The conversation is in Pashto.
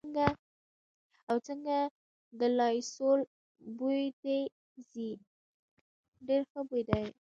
او، څنګه د لایسول بوی دې ځي، ډېر ښه بوی دی.